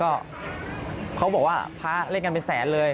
ก็เขาบอกว่าพระเล่นกันเป็นแสนเลย